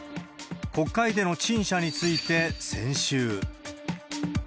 国会での陳謝について、先週。